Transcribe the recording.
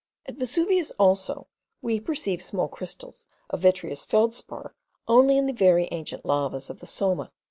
At Vesuvius also, we perceive small crystals of vitreous feldspar only in the very ancient lavas of the Somma.